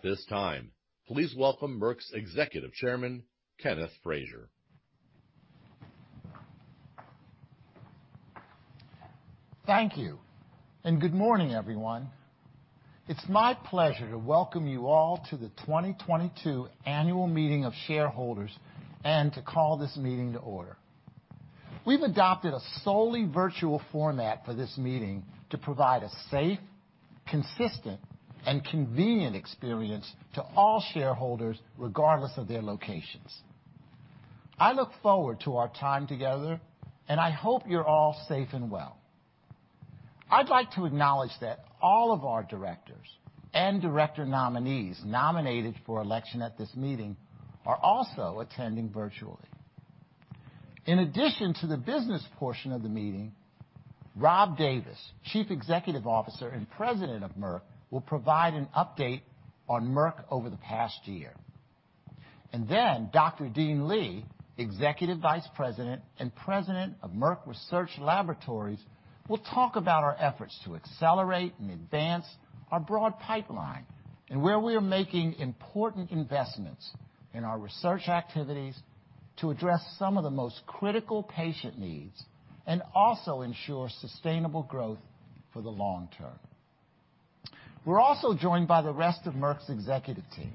At this time, please welcome Merck's Executive Chairman, Kenneth Frazier. Thank you, and good morning, everyone. It's my pleasure to welcome you all to the 2022 annual meeting of shareholders and to call this meeting to order. We've adopted a solely virtual format for this meeting to provide a safe, consistent, and convenient experience to all shareholders, regardless of their locations. I look forward to our time together, and I hope you're all safe and well. I'd like to acknowledge that all of our directors and director nominees nominated for election at this meeting are also attending virtually. In addition to the business portion of the meeting, Rob Davis, Chief Executive Officer and President of Merck, will provide an update on Merck over the past year. Dr. Dean Li, Executive Vice President and President of Merck Research Laboratories, will talk about our efforts to accelerate and advance our broad pipeline and where we are making important investments in our research activities to address some of the most critical patient needs and also ensure sustainable growth for the long term. We're also joined by the rest of Merck's executive team.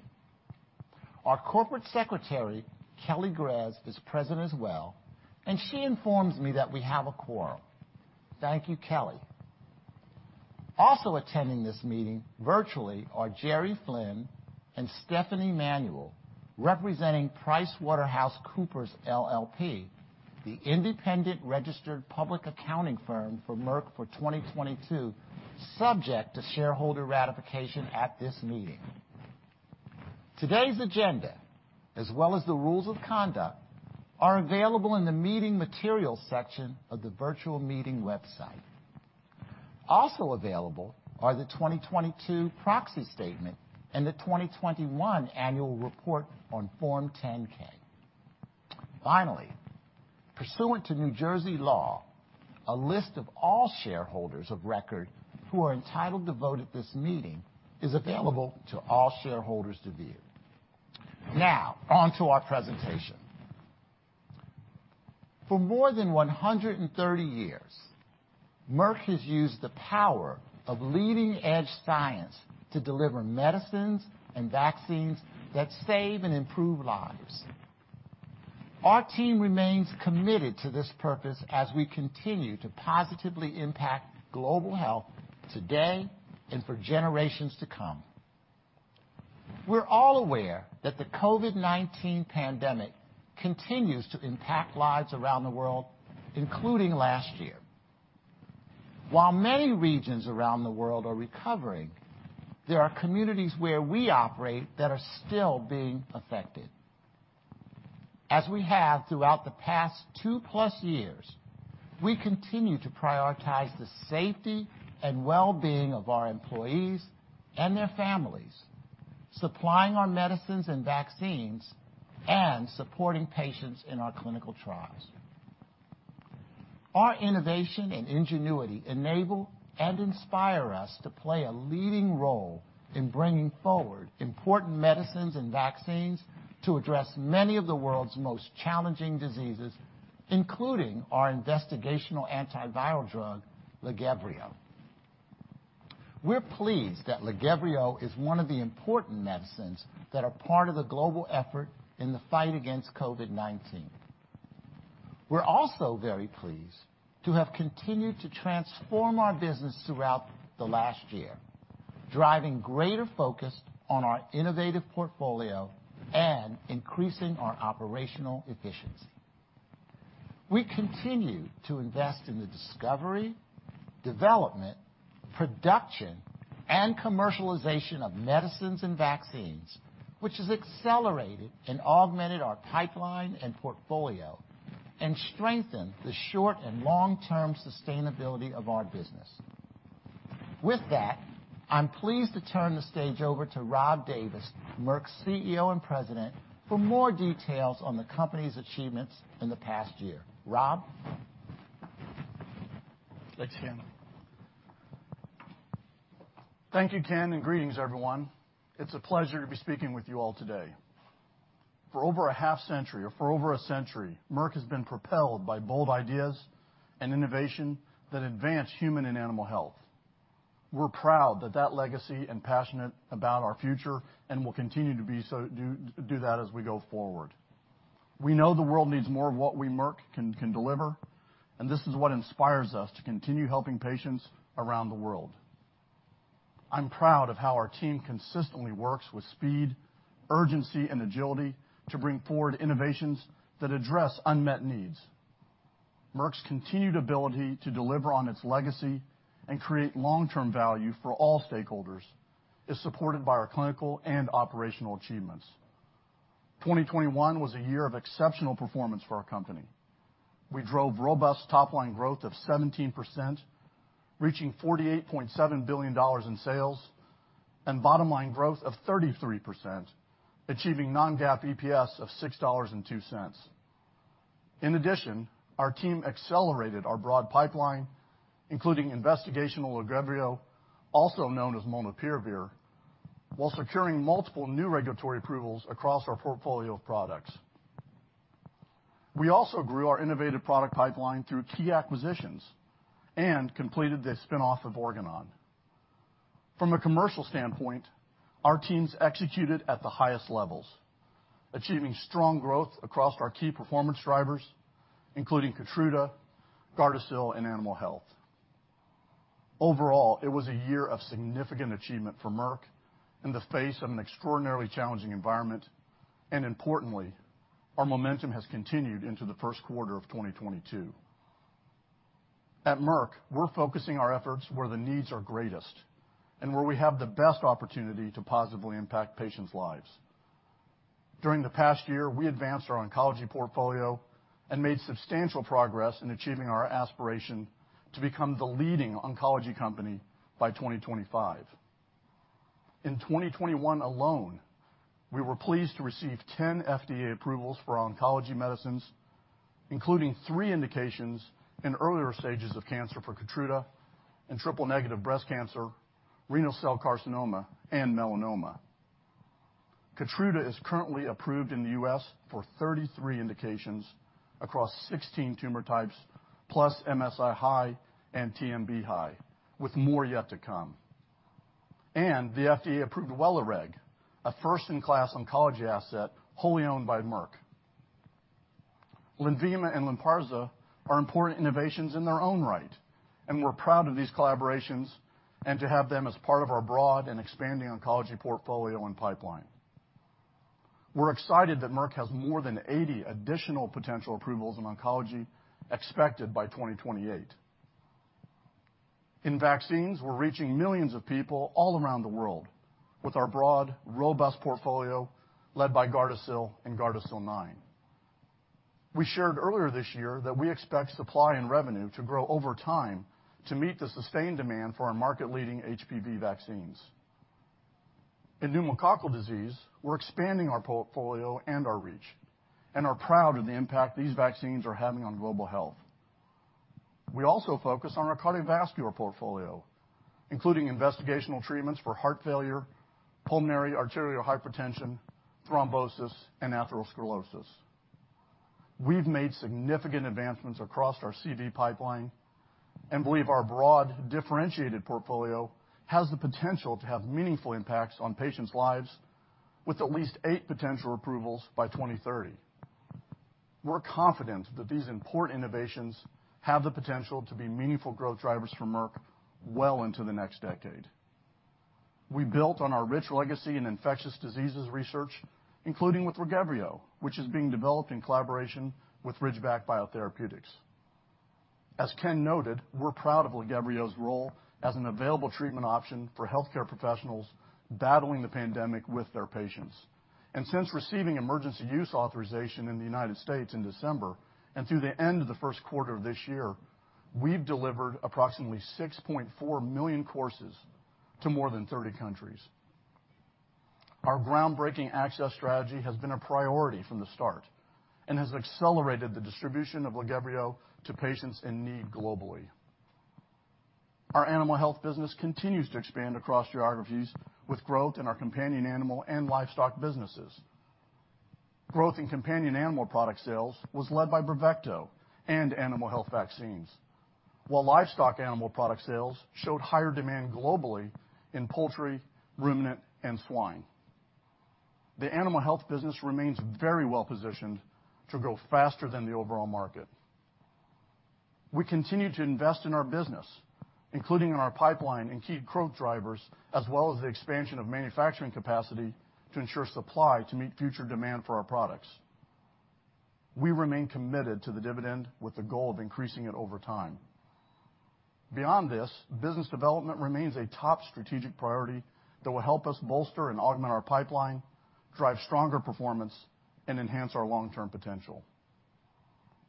Our Corporate Secretary, Kelly Grez, is present as well, and she informs me that we have a quorum. Thank you, Kelly. Also attending this meeting virtually are Gerry Flynn and Stephanie Manuel, representing PricewaterhouseCoopers, LLP, the independent registered public accounting firm for Merck for 2022, subject to shareholder ratification at this meeting. Today's agenda, as well as the rules of conduct, are available in the Meeting Materials section of the virtual meeting website. Also available are the 2022 proxy statement and the 2021 annual report on Form 10-K. Finally, pursuant to New Jersey law, a list of all shareholders of record who are entitled to vote at this meeting is available to all shareholders to view. Now, onto our presentation. For more than 130 years, Merck has used the power of leading-edge science to deliver medicines and vaccines that save and improve lives. Our team remains committed to this purpose as we continue to positively impact global health today and for generations to come. We're all aware that the COVID-19 pandemic continues to impact lives around the world, including last year. While many regions around the world are recovering, there are communities where we operate that are still being affected. As we have throughout the past two-plus years, we continue to prioritize the safety and well-being of our employees and their families, supplying our medicines and vaccines and supporting patients in our clinical trials. Our innovation and ingenuity enable and inspire us to play a leading role in bringing forward important medicines and vaccines to address many of the world's most challenging diseases, including our investigational antiviral drug, LAGEVRIO. We're pleased that LAGEVRIO is one of the important medicines that are part of the global effort in the fight against COVID-19. We're also very pleased to have continued to transform our business throughout the last year, driving greater focus on our innovative portfolio and increasing our operational efficiency. We continue to invest in the discovery, development, production, and commercialization of medicines and vaccines, which has accelerated and augmented our pipeline and portfolio and strengthened the short- and long-term sustainability of our business. With that, I'm pleased to turn the stage over to Rob Davis, Merck's CEO and President, for more details on the company's achievements in the past year. Rob? Thanks, Ken. Thank you, Ken, and greetings, everyone. It's a pleasure to be speaking with you all today. For over a half century, or for over a century, Merck has been propelled by bold ideas and innovation that advance human and animal health. We're proud of that legacy and passionate about our future, and will continue to do that as we go forward. We know the world needs more of what we, Merck, can deliver, and this is what inspires us to continue helping patients around the world. I'm proud of how our team consistently works with speed, urgency, and agility to bring forward innovations that address unmet needs. Merck's continued ability to deliver on its legacy and create long-term value for all stakeholders is supported by our clinical and operational achievements. 2021 was a year of exceptional performance for our company. We drove robust top line growth of 17%, reaching $48.7 billion in sales, and bottom line growth of 33%, achieving non-GAAP EPS of $6.02. In addition, our team accelerated our broad pipeline, including investigational LAGEVRIO, also known as molnupiravir, while securing multiple new regulatory approvals across our portfolio of products. We also grew our innovative product pipeline through key acquisitions and completed the spin-off of Organon. From a commercial standpoint, our teams executed at the highest levels, achieving strong growth across our key performance drivers, including KEYTRUDA, GARDASIL, and Animal Health. Overall, it was a year of significant achievement for Merck in the face of an extraordinarily challenging environment, and importantly, our momentum has continued into the first quarter of 2022. At Merck, we're focusing our efforts where the needs are greatest and where we have the best opportunity to positively impact patients' lives. During the past year, we advanced our oncology portfolio and made substantial progress in achieving our aspiration to become the leading oncology company by 2025. In 2021 alone, we were pleased to receive 10 FDA approvals for oncology medicines, including three indications in earlier stages of cancer for KEYTRUDA and triple-negative breast cancer, renal cell carcinoma, and melanoma. KEYTRUDA is currently approved in the U.S. for 33 indications across 16 tumor types, plus MSI-High and TMB-High, with more yet to come. The FDA approved WELIREG, a first-in-class oncology asset, wholly owned by Merck. LENVIMA and LYNPARZA are important innovations in their own right, and we're proud of these collaborations and to have them as part of our broad and expanding oncology portfolio and pipeline. We're excited that Merck has more than 80 additional potential approvals in oncology expected by 2028. In vaccines, we're reaching millions of people all around the world with our broad, robust portfolio led by GARDASIL and GARDASIL 9. We shared earlier this year that we expect supply and revenue to grow over time to meet the sustained demand for our market-leading HPV vaccines. In pneumococcal disease, we're expanding our portfolio and our reach and are proud of the impact these vaccines are having on global health. We also focus on our cardiovascular portfolio, including investigational treatments for heart failure, pulmonary arterial hypertension, thrombosis, and atherosclerosis. We've made significant advancements across our CV pipeline and believe our broad, differentiated portfolio has the potential to have meaningful impacts on patients' lives with at least eight potential approvals by 2030. We're confident that these important innovations have the potential to be meaningful growth drivers for Merck well into the next decade. We built on our rich legacy in infectious diseases research, including with LAGEVRIO, which is being developed in collaboration with Ridgeback Biotherapeutics. As Ken noted, we're proud of LAGEVRIO's role as an available treatment option for healthcare professionals battling the pandemic with their patients. Since receiving emergency use authorization in the United States in December and through the end of the first quarter of this year, we've delivered approximately 6.4 million courses to more than 30 countries. Our groundbreaking access strategy has been a priority from the start and has accelerated the distribution of LAGEVRIO to patients in need globally. Our Animal Health business continues to expand across geographies with growth in our companion animal and livestock businesses. Growth in companion animal product sales was led by BRAVECTO and Animal Health vaccines, while livestock animal product sales showed higher demand globally in poultry, ruminant, and swine. The Animal Health business remains very well-positioned to grow faster than the overall market. We continue to invest in our business, including in our pipeline and key growth drivers, as well as the expansion of manufacturing capacity to ensure supply to meet future demand for our products. We remain committed to the dividend with the goal of increasing it over time. Beyond this, business development remains a top strategic priority that will help us bolster and augment our pipeline, drive stronger performance, and enhance our long-term potential.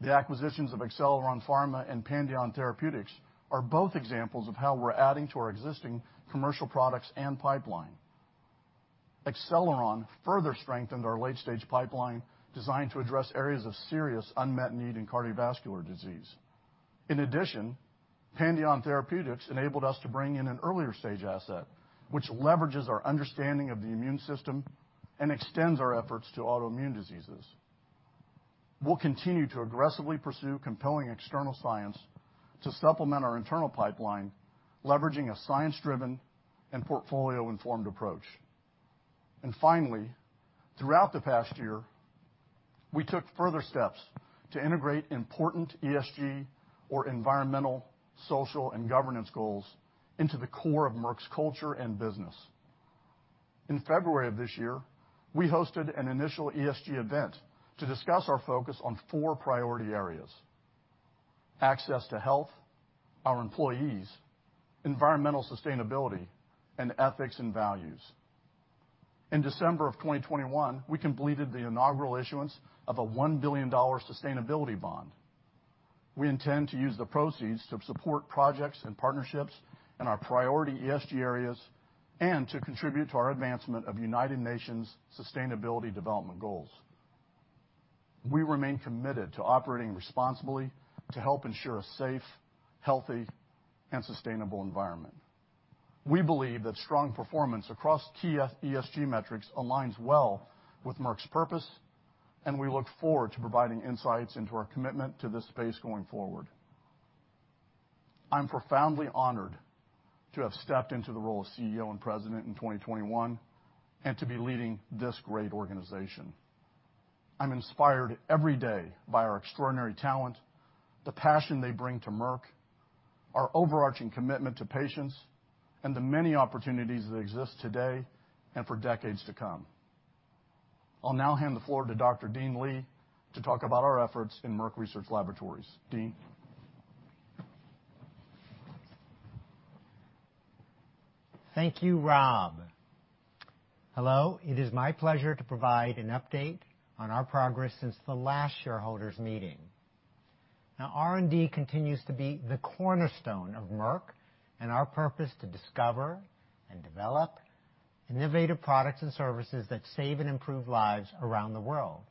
The acquisitions of Acceleron Pharma and Pandion Therapeutics are both examples of how we're adding to our existing commercial products and pipeline. Acceleron further strengthened our late-stage pipeline designed to address areas of serious unmet need in cardiovascular disease. In addition, Pandion Therapeutics enabled us to bring in an earlier stage asset, which leverages our understanding of the immune system and extends our efforts to autoimmune diseases. We'll continue to aggressively pursue compelling external science to supplement our internal pipeline, leveraging a science-driven and portfolio-informed approach. Finally, throughout the past year, we took further steps to integrate important ESG or environmental, social, and governance goals into the core of Merck's culture and business. In February of this year, we hosted an initial ESG event to discuss our focus on four priority areas. Access to health, our employees, environmental sustainability, and ethics and values. In December 2021, we completed the inaugural issuance of a $1 billion sustainability bond. We intend to use the proceeds to support projects and partnerships in our priority ESG areas and to contribute to our advancement of United Nations sustainability development goals. We remain committed to operating responsibly to help ensure a safe, healthy, and sustainable environment. We believe that strong performance across key ESG metrics aligns well with Merck's purpose, and we look forward to providing insights into our commitment to this space going forward. I'm profoundly honored to have stepped into the role of CEO and president in 2021 and to be leading this great organization. I'm inspired every day by our extraordinary talent, the passion they bring to Merck, our overarching commitment to patients, and the many opportunities that exist today and for decades to come. I'll now hand the floor to Dr. Dean Li to talk about our efforts in Merck Research Laboratories. Dean? Thank you, Rob. Hello, it is my pleasure to provide an update on our progress since the last shareholders meeting. R&D continues to be the cornerstone of Merck and our purpose to discover and develop innovative products and services that save and improve lives around the world.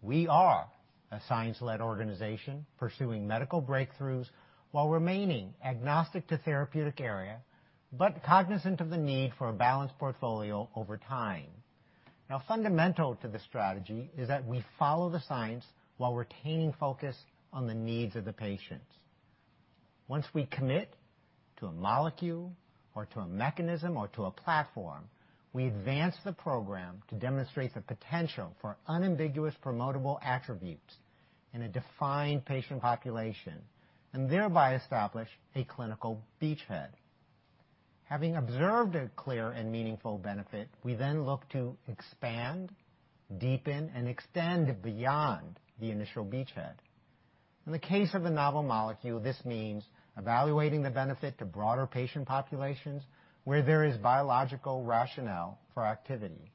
We are a science-led organization pursuing medical breakthroughs while remaining agnostic to therapeutic area, but cognizant of the need for a balanced portfolio over time. Fundamental to the strategy is that we follow the science while retaining focus on the needs of the patients. Once we commit to a molecule or to a mechanism or to a platform, we advance the program to demonstrate the potential for unambiguous promotable attributes in a defined patient population, and thereby establish a clinical beachhead. Having observed a clear and meaningful benefit, we then look to expand, deepen, and extend beyond the initial beachhead. In the case of a novel molecule, this means evaluating the benefit to broader patient populations where there is biological rationale for activity.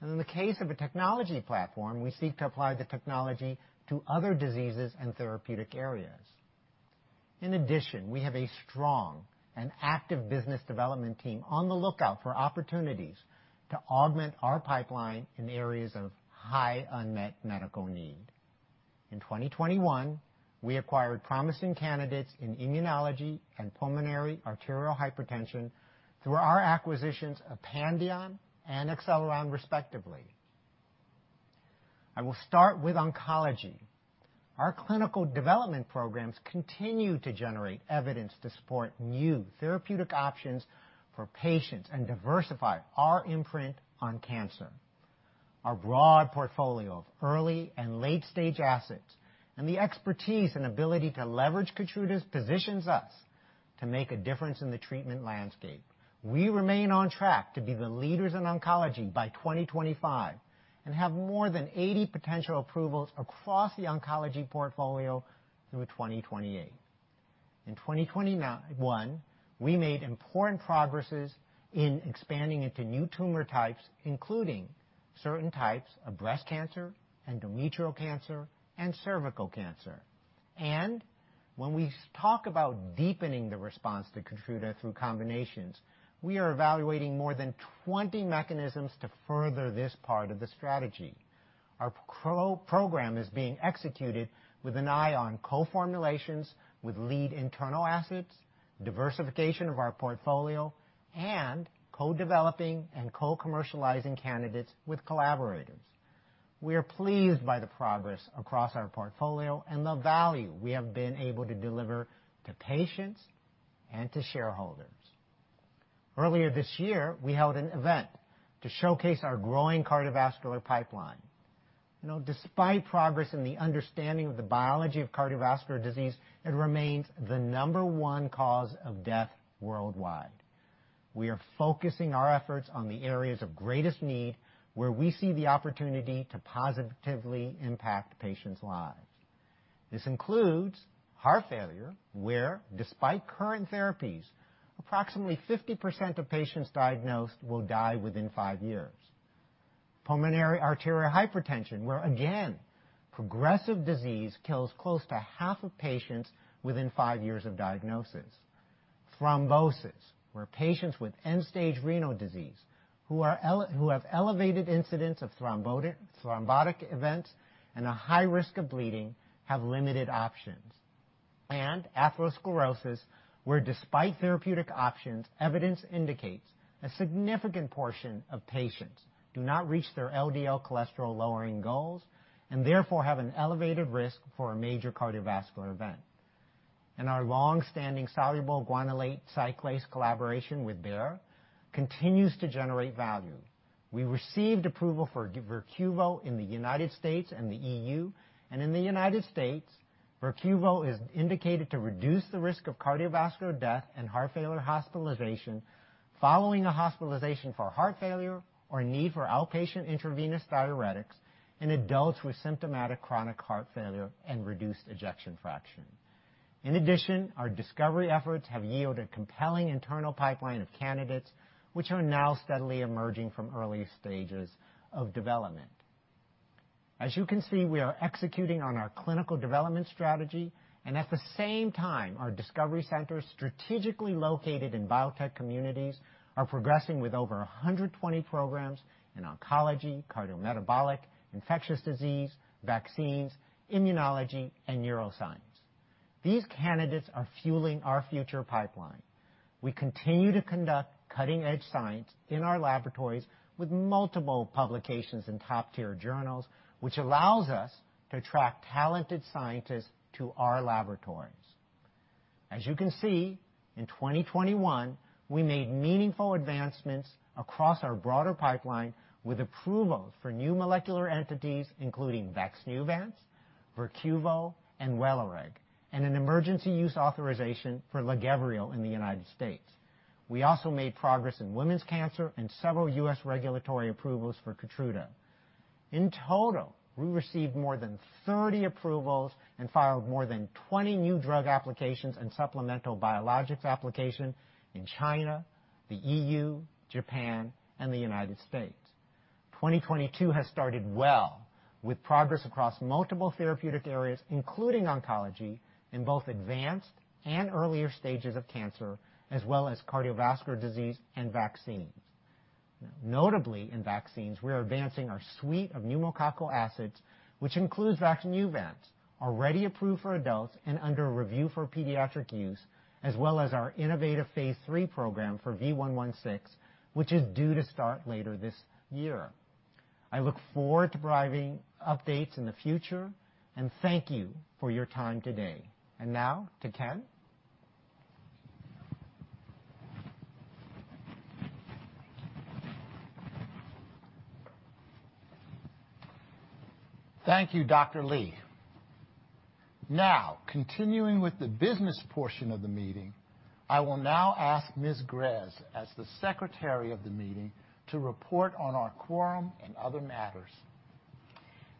In the case of a technology platform, we seek to apply the technology to other diseases and therapeutic areas. In addition, we have a strong and active business development team on the lookout for opportunities to augment our pipeline in areas of high unmet medical need. In 2021, we acquired promising candidates in immunology and pulmonary arterial hypertension through our acquisitions of Pandion and Acceleron, respectively. I will start with oncology. Our clinical development programs continue to generate evidence to support new therapeutic options for patients and diversify our imprint on cancer. Our broad portfolio of early and late-stage assets and the expertise and ability to leverage KEYTRUDA positions us to make a difference in the treatment landscape. We remain on track to be the leaders in oncology by 2025 and have more than 80 potential approvals across the oncology portfolio through 2028. In 2021, we made important progresses in expanding into new tumor types, including certain types of breast cancer, endometrial cancer, and cervical cancer. When we talk about deepening the response to Keytruda through combinations, we are evaluating more than 20 mechanisms to further this part of the strategy. Our PROPEL program is being executed with an eye on co-formulations with lead internal assets, diversification of our portfolio, and co-developing and co-commercializing candidates with collaborators. We are pleased by the progress across our portfolio and the value we have been able to deliver to patients and to shareholders. Earlier this year, we held an event to showcase our growing cardiovascular pipeline. You know, despite progress in the understanding of the biology of cardiovascular disease, it remains the number one cause of death worldwide. We are focusing our efforts on the areas of greatest need, where we see the opportunity to positively impact patients' lives. This includes heart failure, where, despite current therapies, approximately 50% of patients diagnosed will die within five years. Pulmonary arterial hypertension, where again, progressive disease kills close to half of patients within five years of diagnosis. Thrombosis, where patients with end-stage renal disease who have elevated incidence of thrombotic events and a high risk of bleeding have limited options. Atherosclerosis, where despite therapeutic options, evidence indicates a significant portion of patients do not reach their LDL cholesterol-lowering goals, and therefore have an elevated risk for a major cardiovascular event. Our long-standing soluble guanylate cyclase collaboration with Bayer continues to generate value. We received approval for VERQUVO in the United States and the EU. In the United States, VERQUVO is indicated to reduce the risk of cardiovascular death and heart failure hospitalization following a hospitalization for heart failure or need for outpatient intravenous diuretics in adults with symptomatic chronic heart failure and reduced ejection fraction. In addition, our discovery efforts have yielded compelling internal pipeline of candidates, which are now steadily emerging from early stages of development. As you can see, we are executing on our clinical development strategy, and at the same time, our discovery centers strategically located in biotech communities are progressing with over 120 programs in oncology, cardiometabolic, infectious disease, vaccines, immunology, and neuroscience. These candidates are fueling our future pipeline. We continue to conduct cutting-edge science in our laboratories with multiple publications in top-tier journals, which allows us to attract talented scientists to our laboratories. As you can see, in 2021, we made meaningful advancements across our broader pipeline with approval for new molecular entities, including VAXNEUVANCE, VERQUVO, and WELIREG, and an emergency use authorization for LAGEVRIO in the United States. We also made progress in women's cancer and several U.S. regulatory approvals for KEYTRUDA. In total, we received more than 30 approvals and filed more than 20 new drug applications and supplemental biologics application in China, the EU, Japan, and the United States. 2022 has started well with progress across multiple therapeutic areas, including oncology in both advanced and earlier stages of cancer, as well as cardiovascular disease and vaccines. Notably, in vaccines, we are advancing our suite of pneumococcal vaccines, which includes VAXNEUVANCE, already approved for adults and under review for pediatric use, as well as our innovative phase three program for V116, which is due to start later this year. I look forward to providing updates in the future, and thank you for your time today. Now to Ken. Thank you, Dr. Li. Now, continuing with the business portion of the meeting, I will now ask Ms. Grez as the secretary of the meeting to report on our quorum and other matters.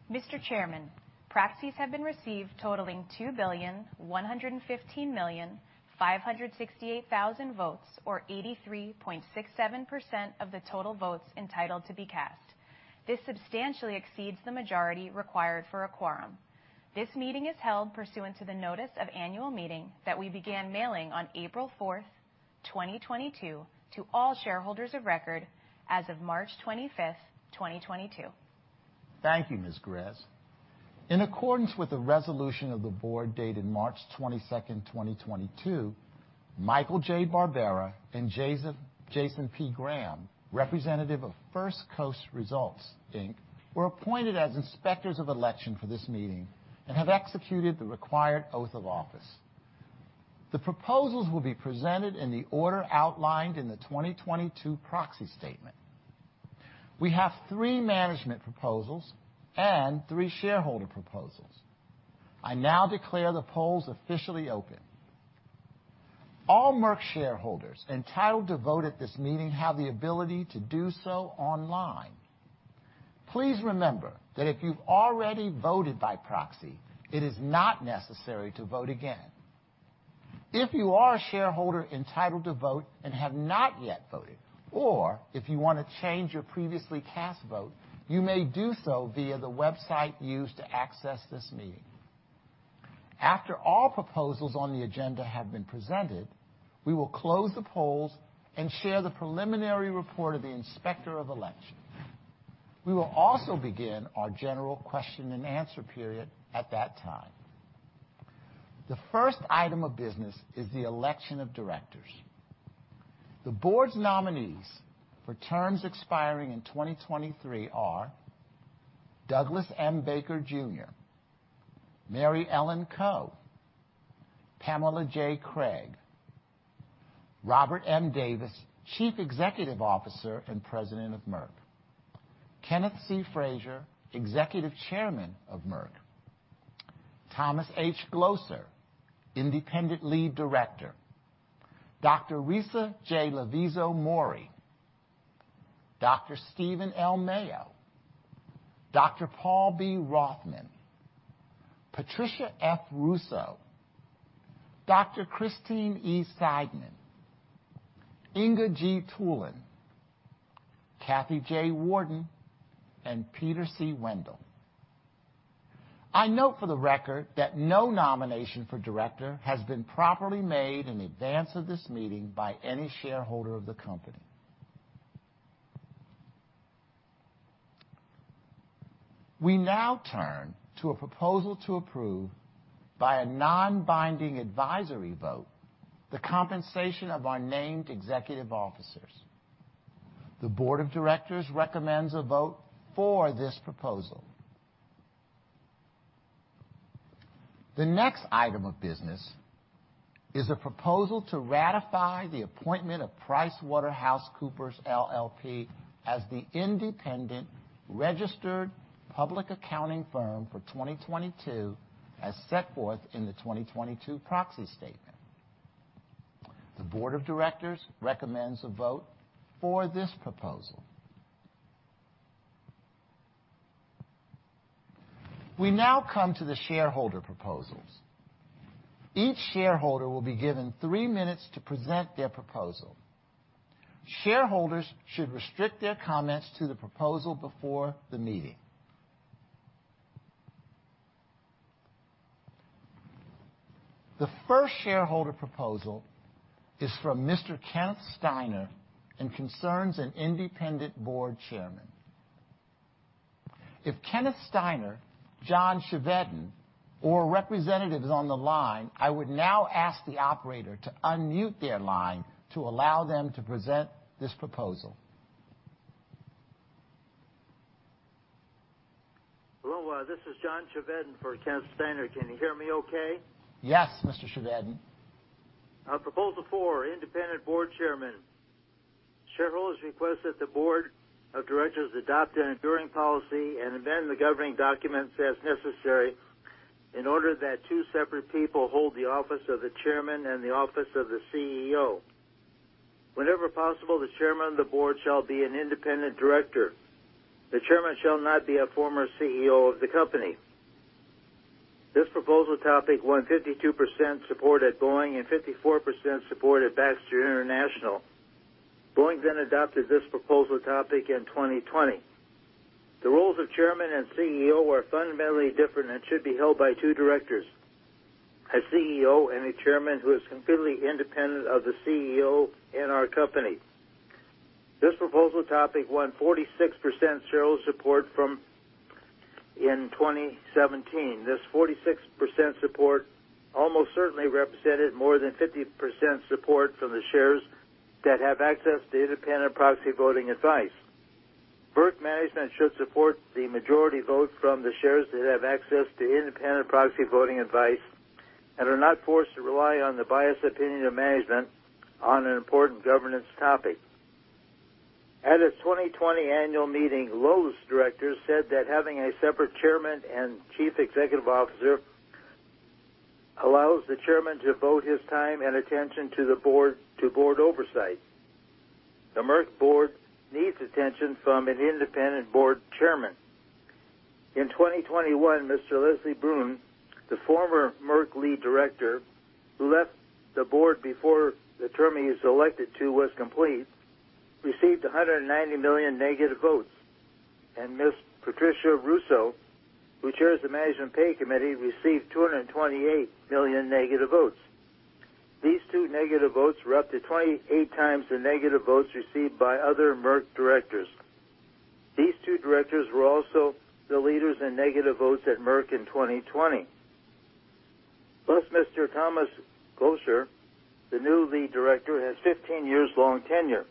Mr. Chairman, proxies have been received totaling 2,115,568,000 votes, or 83.67% of the total votes entitled to be cast. This substantially exceeds the majority required for a quorum. This meeting is held pursuant to the notice of annual meeting that we began mailing on April 4th, 2022 to all shareholders of record as of March 25th, 2022. Thank you, Ms. Grez. In accordance with the resolution of the board dated March 22nd, 2022, Michael J. Barbera and Jason P. Graham, representative of First Coast Results, Inc., were appointed as inspectors of election for this meeting and have executed the required oath of office. The proposals will be presented in the order outlined in the 2022 proxy statement. We have three management proposals and three shareholder proposals. I now declare the polls officially open. All Merck shareholders entitled to vote at this meeting have the ability to do so online. Please remember that if you've already voted by proxy, it is not necessary to vote again. If you are a shareholder entitled to vote and have not yet voted, or if you want to change your previously cast vote, you may do so via the website used to access this meeting. After all proposals on the agenda have been presented, we will close the polls and share the preliminary report of the inspector of election. We will also begin our general question and answer period at that time. The first item of business is the election of directors. The board's nominees for terms expiring in 2023 are Douglas M. Baker, Jr., Mary Ellen Coe, Pamela J. Craig, Robert M. Davis, Chief Executive Officer and President of Merck, Kenneth C. Frazier, Executive Chairman of Merck, Thomas H. Glocer, Independent Lead Director, Dr. Risa J. Lavizzo-Mourey, Dr. Steven L. Mayo, Dr. Paul B. Rothman, Patricia F. Russo, Dr. Christine E. Seidman, Inge G. Thulin, Kathy J. Warden, and Peter C. Wendell. I note for the record that no nomination for director has been properly made in advance of this meeting by any shareholder of the company. We now turn to a proposal to approve by a non-binding advisory vote the compensation of our named executive officers. The Board of Directors recommends a vote for this proposal. The next item of business is a proposal to ratify the appointment of PricewaterhouseCoopers LLP as the independent registered public accounting firm for 2022 as set forth in the 2022 proxy statement. The Board of Directors recommends a vote for this proposal. We now come to the shareholder proposals. Each shareholder will be given three minutes to present their proposal. Shareholders should restrict their comments to the proposal before the meeting. The first shareholder proposal is from Mr. Kenneth Steiner and concerns an independent board chairman. If Kenneth Steiner, John Chevedden, or a representative is on the line, I would now ask the operator to unmute their line to allow them to present this proposal. Hello, this is John Chevedden for Kenneth Steiner. Can you hear me okay? Yes, Mr. Chevedden. Our proposal for independent board chairman. Shareholders request that the board of directors adopt an enduring policy and amend the governing documents as necessary in order that two separate people hold the office of the chairman and the office of the CEO. Whenever possible, the chairman of the board shall be an independent director. The chairman shall not be a former CEO of the company. This proposal topic won 52% support at Boeing and 54% support at Baxter International. Boeing then adopted this proposal topic in 2020. The roles of chairman and CEO are fundamentally different and should be held by two directors, a CEO and a chairman who is completely independent of the CEO in our company. This proposal topic won 46% shareholder support in 2017. This 46% support almost certainly represented more than 50% support from the shares that have access to independent proxy voting advice. Merck management should support the majority vote from the shares that have access to independent proxy voting advice and are not forced to rely on the biased opinion of management on an important governance topic. At the 2020 annual meeting, Lowe's directors said that having a separate chairman and chief executive officer allows the chairman to devote his time and attention to board oversight. The Merck board needs attention from an independent board chairman. In 2021, Mr. Leslie Brun, the former Merck lead director, who left the board before the term he was elected to was complete, received 190 million negative votes. Ms. Patricia Russo, who chairs the Management Pay Committee, received 228 million negative votes. These 228 million negative votes were up to 28 times the negative votes received by other Merck directors. These two directors were also the leaders in negative votes at Merck in 2020. Mr. Thomas Glocer, the new lead director, has 15 years long tenure.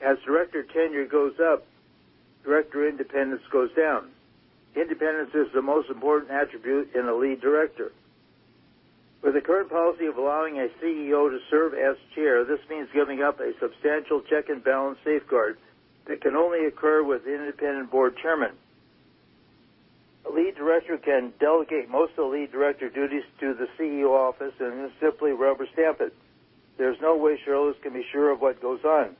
As director tenure goes up, director independence goes down. Independence is the most important attribute in a lead director. With the current policy of allowing a CEO to serve as chair, this means giving up a substantial check and balance safeguards that can only occur with an independent board chairman. A lead director can delegate most of the lead director duties to the CEO office and then simply rubber stamp it. There's no way shareholders can be sure of what goes on.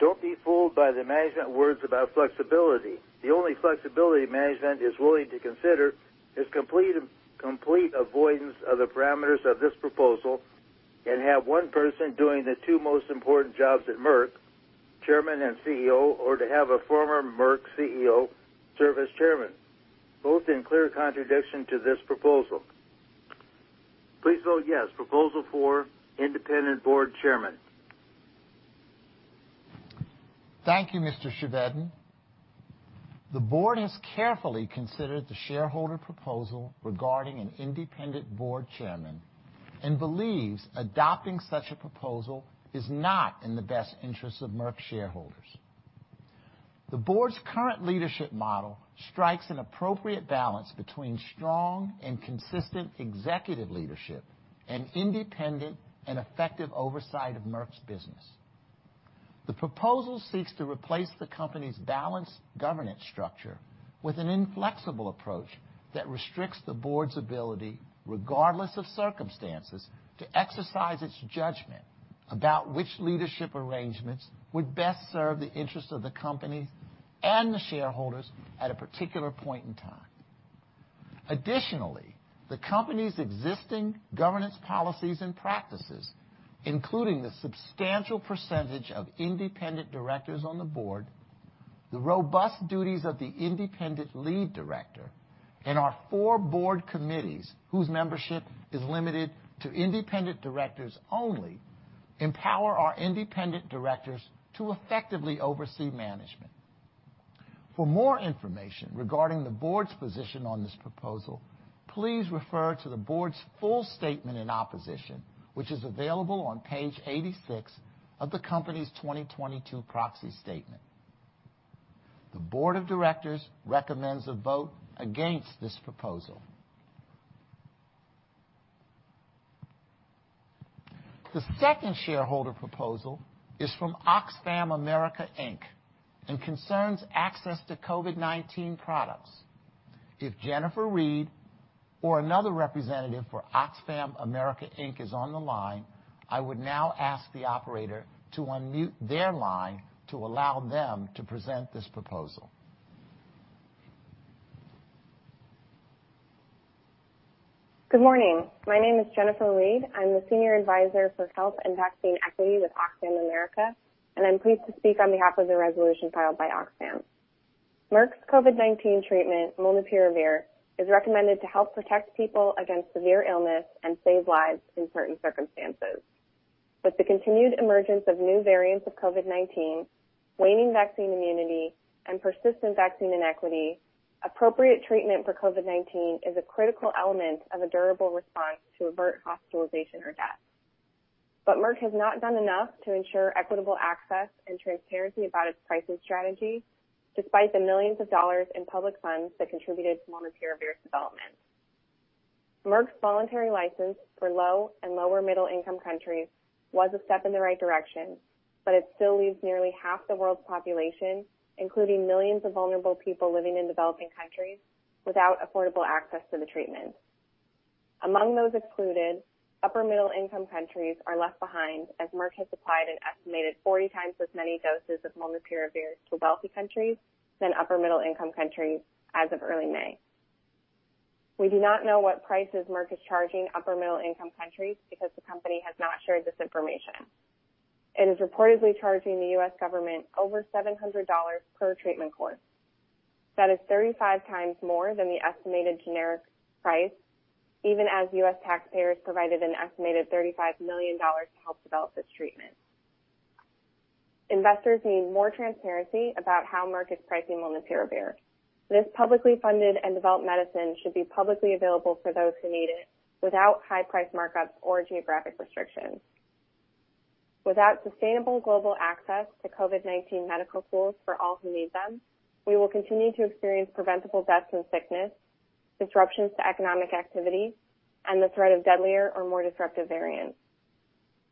Don't be fooled by the management words about flexibility. The only flexibility management is willing to consider is complete avoidance of the parameters of this proposal and have one person doing the two most important jobs at Merck, chairman and CEO, or to have a former Merck CEO serve as chairman, both in clear contradiction to this proposal. Please vote yes. Proposal for independent board chairman. Thank you, Mr. Chevedden. The board has carefully considered the shareholder proposal regarding an independent board chairman and believes adopting such a proposal is not in the best interest of Merck shareholders. The board's current leadership model strikes an appropriate balance between strong and consistent executive leadership and independent and effective oversight of Merck's business. The proposal seeks to replace the company's balanced governance structure with an inflexible approach that restricts the board's ability, regardless of circumstances, to exercise its judgment about which leadership arrangements would best serve the interests of the company and the shareholders at a particular point in time. Additionally, the company's existing governance policies and practices, including the substantial percentage of independent directors on the board, the robust duties of the independent lead director, and our four board committees, whose membership is limited to independent directors only, empower our independent directors to effectively oversee management. For more information regarding the board's position on this proposal, please refer to the board's full statement in opposition, which is available on page 86 of the company's 2022 proxy statement. The board of directors recommends a vote against this proposal. The second shareholder proposal is from Oxfam America, Inc., and concerns access to COVID-19 products. If Jennifer Reid or another representative for Oxfam America, Inc. is on the line, I would now ask the operator to unmute their line to allow them to present this proposal. Good morning. My name is Jennifer Reid. I'm the Senior Advisor for Health and Vaccine Equity with Oxfam America, and I'm pleased to speak on behalf of the resolution filed by Oxfam. Merck's COVID-19 treatment, molnupiravir, is recommended to help protect people against severe illness and save lives in certain circumstances. With the continued emergence of new variants of COVID-19, waning vaccine immunity, and persistent vaccine inequity, appropriate treatment for COVID-19 is a critical element of a durable response to avert hospitalization or death. Merck has not done enough to ensure equitable access and transparency about its pricing strategy, despite the millions of dollars in public funds that contributed to molnupiravir's development. Merck's voluntary license for low and lower-middle-income countries was a step in the right direction, but it still leaves nearly half the world's population, including millions of vulnerable people living in developing countries, without affordable access to the treatment. Among those excluded, upper-middle-income countries are left behind, as Merck has supplied an estimated 40 times as many doses of molnupiravir to wealthy countries than upper-middle-income countries as of early May. We do not know what prices Merck is charging upper-middle-income countries because the company has not shared this information. It is reportedly charging the U.S. government over $700 per treatment course. That is 35 times more than the estimated generic price, even as U.S. taxpayers provided an estimated $35 million to help develop this treatment. Investors need more transparency about how Merck is pricing molnupiravir. This publicly funded and developed medicine should be publicly available for those who need it without high price markups or geographic restrictions. Without sustainable global access to COVID-19 medical tools for all who need them, we will continue to experience preventable deaths and sickness, disruptions to economic activity, and the threat of deadlier or more disruptive variants.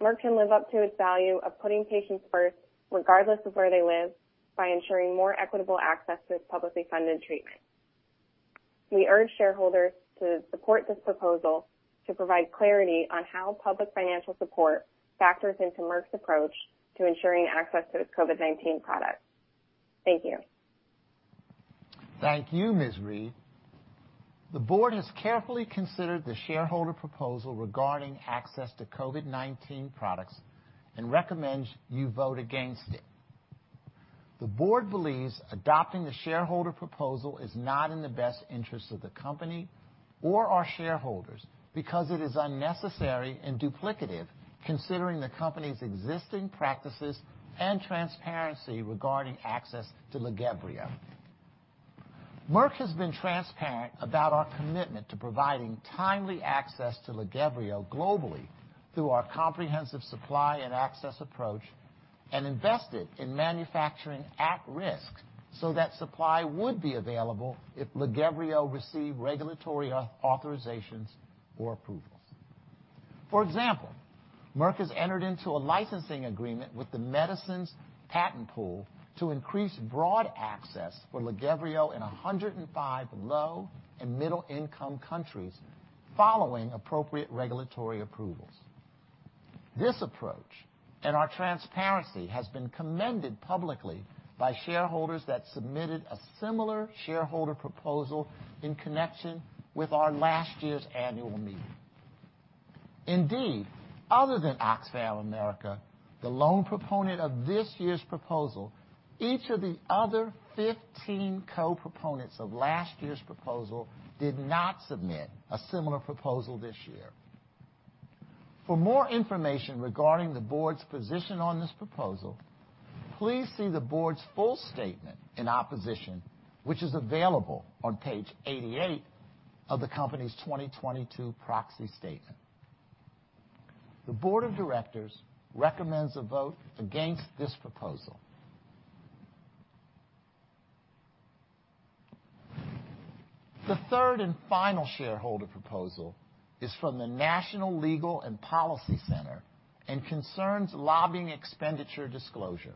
Merck can live up to its value of putting patients first, regardless of where they live, by ensuring more equitable access to this publicly funded treatment. We urge shareholders to support this proposal to provide clarity on how public financial support factors into Merck's approach to ensuring access to its COVID-19 products. Thank you. Thank you, Ms. Reid. The board has carefully considered the shareholder proposal regarding access to COVID-19 products and recommends you vote against it. The board believes adopting the shareholder proposal is not in the best interest of the company or our shareholders because it is unnecessary and duplicative, considering the company's existing practices and transparency regarding access to LAGEVRIO. Merck has been transparent about our commitment to providing timely access to LAGEVRIO globally through our comprehensive supply and access approach and invested in manufacturing at-risk so that supply would be available if LAGEVRIO received regulatory authorizations or approvals. For example, Merck has entered into a licensing agreement with the Medicines Patent Pool to increase broad access for LAGEVRIO in 105 low- and middle-income countries following appropriate regulatory approvals. This approach and our transparency has been commended publicly by shareholders that submitted a similar shareholder proposal in connection with our last year's annual meeting. Indeed, other than Oxfam America, the lone proponent of this year's proposal, each of the other 15 co-proponents of last year's proposal did not submit a similar proposal this year. For more information regarding the board's position on this proposal, please see the board's full statement in opposition, which is available on page 88 of the company's 2022 proxy statement. The board of directors recommends a vote against this proposal. The third and final shareholder proposal is from the National Legal and Policy Center and concerns lobbying expenditure disclosure.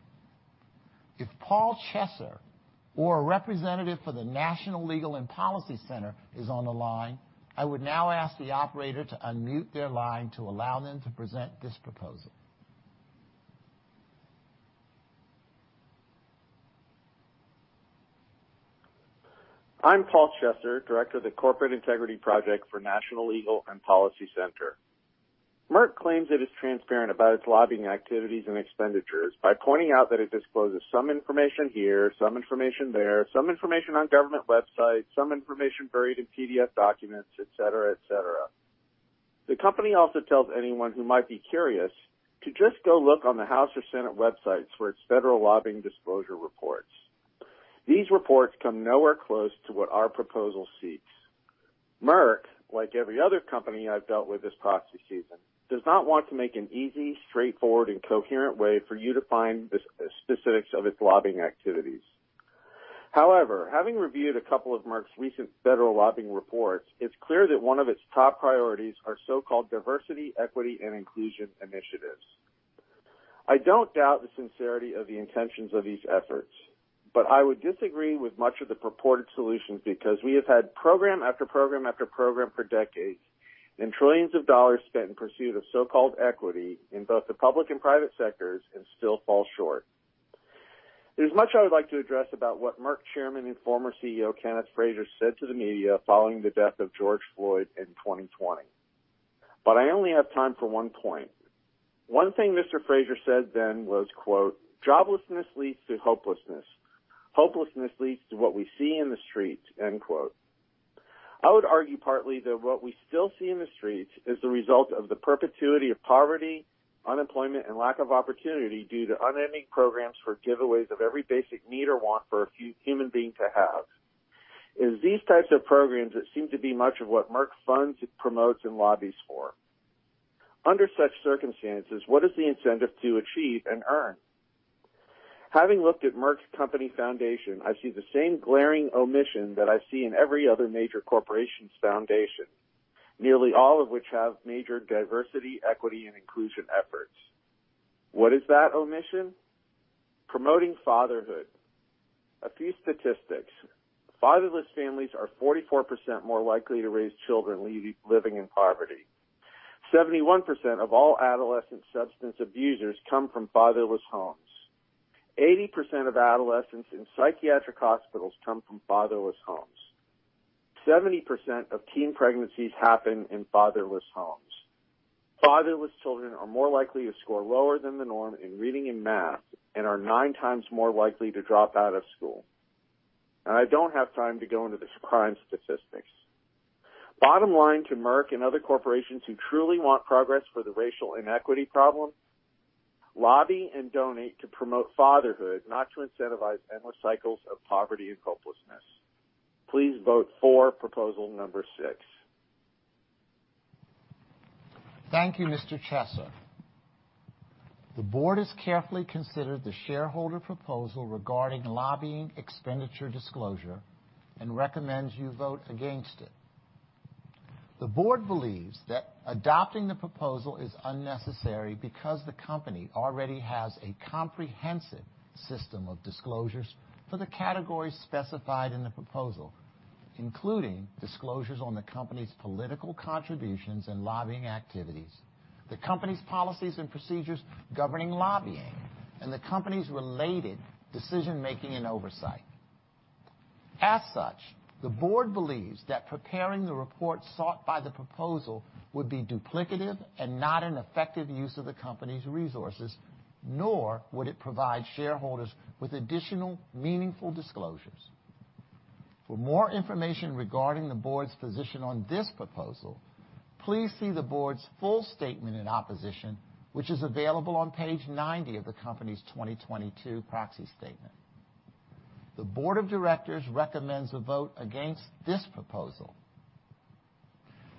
If Paul Chesser or a representative for the National Legal and Policy Center is on the line, I would now ask the operator to unmute their line to allow them to present this proposal. I'm Paul Chesser, Director of the Corporate Integrity Project for National Legal and Policy Center. Merck claims it is transparent about its lobbying activities and expenditures by pointing out that it discloses some information here, some information there, some information on government websites, some information buried in PDF documents, et cetera, et cetera. The company also tells anyone who might be curious to just go look on the House or Senate websites for its federal lobbying disclosure reports. These reports come nowhere close to what our proposal seeks. Merck, like every other company I've dealt with this proxy season, does not want to make an easy, straightforward, and coherent way for you to find the specifics of its lobbying activities. However, having reviewed a couple of Merck's recent federal lobbying reports, it's clear that one of its top priorities are so-called diversity, equity, and inclusion initiatives. I don't doubt the sincerity of the intentions of these efforts, but I would disagree with much of the purported solutions because we have had program after program after program for decades, and trillions of dollars spent in pursuit of so-called equity in both the public and private sectors and still fall short. There's much I would like to address about what Merck Chairman and former CEO Kenneth Frazier said to the media following the death of George Floyd in 2020, but I only have time for one point. One thing Mr. Frazier said then was, quote, Joblessness leads to hopelessness. Hopelessness leads to what we see in the streets. End quote. I would argue partly that what we still see in the streets is the result of the perpetuity of poverty, unemployment, and lack of opportunity due to unending programs for giveaways of every basic need or want for a few human beings to have. It is these types of programs that seem to be much of what Merck funds, it promotes, and lobbies for. Under such circumstances, what is the incentive to achieve and earn? Having looked at Merck's company foundation, I see the same glaring omission that I see in every other major corporation's foundation, nearly all of which have major diversity, equity, and inclusion efforts. What is that omission? Promoting fatherhood. A few statistics. Fatherless families are 44% more likely to raise children living in poverty. 71% of all adolescent substance abusers come from fatherless homes. 80% of adolescents in psychiatric hospitals come from fatherless homes. 70% of teen pregnancies happen in fatherless homes. Fatherless children are more likely to score lower than the norm in reading and math and are nine times more likely to drop out of school. I don't have time to go into the crime statistics. Bottom line to Merck and other corporations who truly want progress for the racial inequity problem, lobby and donate to promote fatherhood, not to incentivize endless cycles of poverty and hopelessness. Please vote for proposal number six. Thank you, Mr. Chesser. The Board has carefully considered the shareholder proposal regarding lobbying expenditure disclosure and recommends you vote against it. The Board believes that adopting the proposal is unnecessary because the company already has a comprehensive system of disclosures for the categories specified in the proposal, including disclosures on the company's political contributions and lobbying activities, the company's policies and procedures governing lobbying, and the company's related decision-making and oversight. As such, the Board believes that preparing the report sought by the proposal would be duplicative and not an effective use of the company's resources, nor would it provide shareholders with additional meaningful disclosures. For more information regarding the Board's position on this proposal, please see the Board's full statement in opposition, which is available on page 90 of the company's 2022 proxy statement. The Board of Directors recommends a vote against this proposal.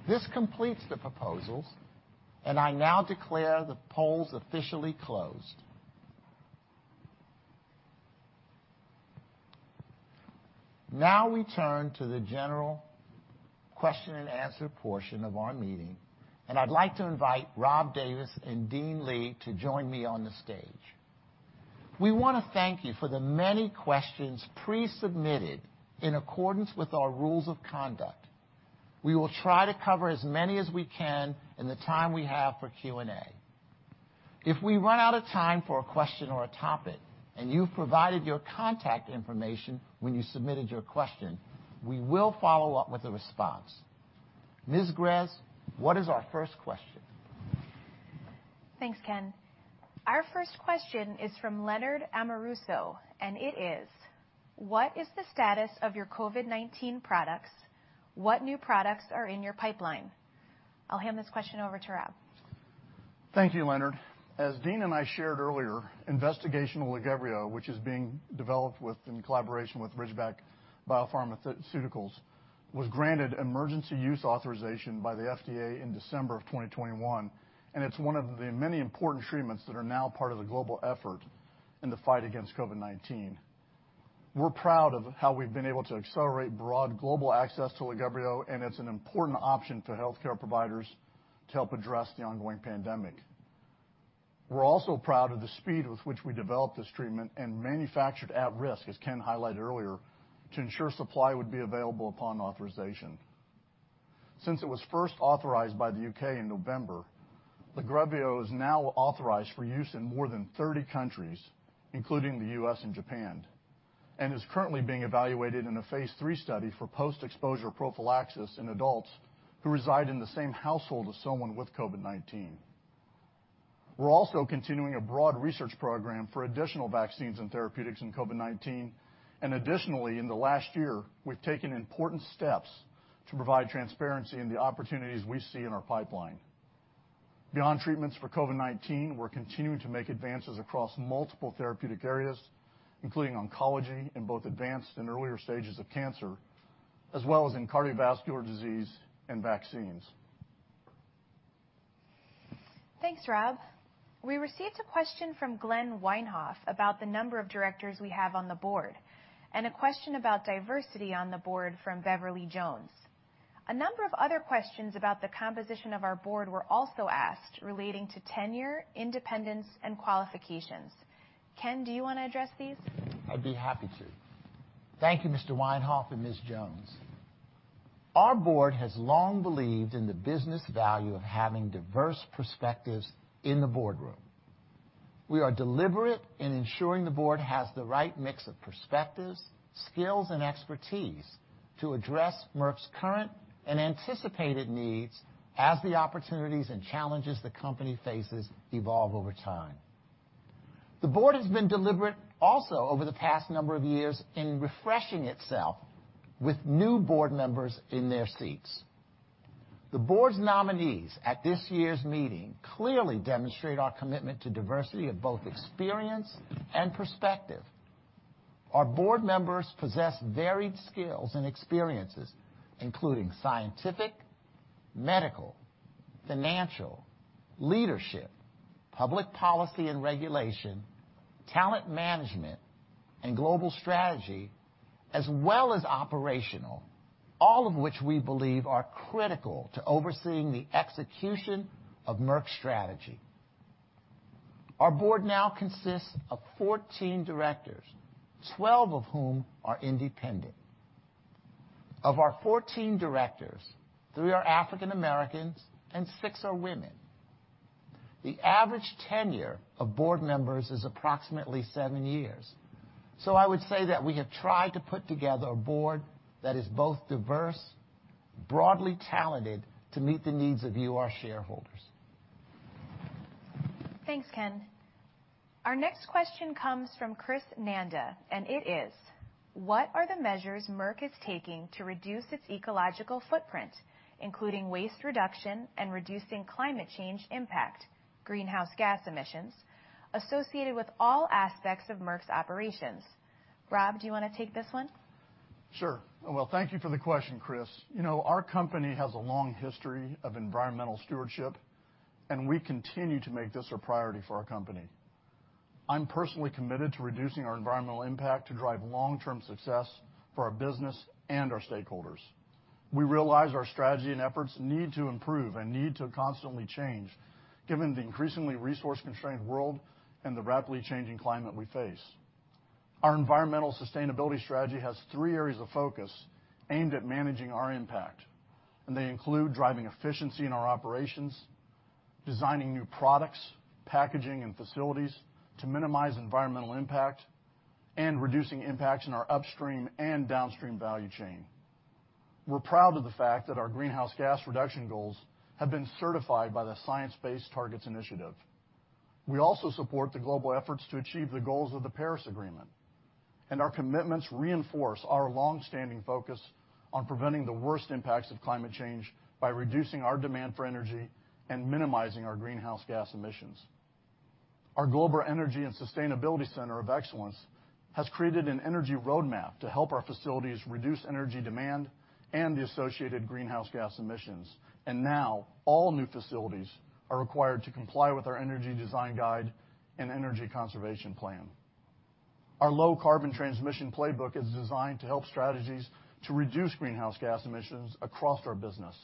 This completes the proposals, and I now declare the polls officially closed. Now we turn to the general question-and-answer portion of our meeting, and I'd like to invite Rob Davis and Dean Li to join me on the stage. We wanna thank you for the many questions pre-submitted in accordance with our rules of conduct. We will try to cover as many as we can in the time we have for Q&A. If we run out of time for a question or a topic, and you've provided your contact information when you submitted your question, we will follow up with a response. Ms. Grez, what is our first question? Thanks, Ken. Our first question is from Leonard Amoruso, and it is, "What is the status of your COVID-19 products? What new products are in your pipeline?" I'll hand this question over to Rob. Thank you, Leonard. As Dean and I shared earlier, investigational LAGEVRIO, which is being developed with, in collaboration with Ridgeback Biotherapeutics, was granted emergency use authorization by the FDA in December of 2021, and it's one of the many important treatments that are now part of the global effort in the fight against COVID-19. We're proud of how we've been able to accelerate broad global access to LAGEVRIO, and it's an important option to healthcare providers to help address the ongoing pandemic. We're also proud of the speed with which we developed this treatment and manufactured at risk, as Ken highlighted earlier, to ensure supply would be available upon authorization. Since it was first authorized by the U.K. in November, LAGEVRIO is now authorized for use in more than 30 countries, including the U.S and Japan And is currently being evaluated in a phase III study for post-exposure prophylaxis in adults who reside in the same household as someone with COVID-19. We're also continuing a broad research program for additional vaccines and therapeutics in COVID-19. Additionally, in the last year, we've taken important steps to provide transparency in the opportunities we see in our pipeline. Beyond treatments for COVID-19, we're continuing to make advances across multiple therapeutic areas, including oncology in both advanced and earlier stages of cancer, as well as in cardiovascular disease and vaccines. Thanks, Rob. We received a question from Glenn Winehoff about the number of directors we have on the board, and a question about diversity on the board from Beverly Jones. A number of other questions about the composition of our board were also asked relating to tenure, independence, and qualifications. Ken, do you wanna address these? I'd be happy to. Thank you, Mr. Weinhoff and Ms. Jones. Our board has long believed in the business value of having diverse perspectives in the boardroom. We are deliberate in ensuring the board has the right mix of perspectives, skills, and expertise to address Merck's current and anticipated needs as the opportunities and challenges the company faces evolve over time. The board has been deliberate also over the past number of years in refreshing itself with new board members in their seats. The board's nominees at this year's meeting clearly demonstrate our commitment to diversity of both experience and perspective. Our board members possess varied skills and experiences, including scientific, medical, financial, leadership, public policy and regulation, talent management, and global strategy, as well as operational, all of which we believe are critical to overseeing the execution of Merck's strategy. Our board now consists of 14 directors, 12 of whom are independent. Of our 14 directors, three are African Americans and six are women. The average tenure of board members is approximately seven years. I would say that we have tried to put together a board that is both diverse, broadly talented to meet the needs of you, our shareholders. Thanks, Ken. Our next question comes from Chris Nanda, and it is, "What are the measures Merck is taking to reduce its ecological footprint, including waste reduction and reducing climate change impact, greenhouse gas emissions, associated with all aspects of Merck's operations?" Rob, do you wanna take this one? Sure. Well, thank you for the question, Chris. You know, our company has a long history of environmental stewardship, and we continue to make this a priority for our company. I'm personally committed to reducing our environmental impact to drive long-term success for our business and our stakeholders. We realize our strategy and efforts need to improve and need to constantly change given the increasingly resource-constrained world and the rapidly changing climate we face. Our environmental sustainability strategy has three areas of focus aimed at managing our impact, and they include driving efficiency in our operations, designing new products, packaging, and facilities to minimize environmental impact and reducing impacts in our upstream and downstream value chain. We're proud of the fact that our greenhouse gas reduction goals have been certified by the Science Based Targets initiative. We also support the global efforts to achieve the goals of the Paris Agreement, and our commitments reinforce our long-standing focus on preventing the worst impacts of climate change by reducing our demand for energy and minimizing our greenhouse gas emissions. Our Global Energy and Sustainability Center of Excellence has created an energy roadmap to help our facilities reduce energy demand and the associated greenhouse gas emissions. Now, all new facilities are required to comply with our energy design guide and energy conservation plan. Our low-carbon transition playbook is designed to help strategies to reduce greenhouse gas emissions across our business.